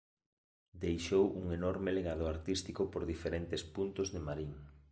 Deixou un enorme legado artístico por diferentes puntos de Marín.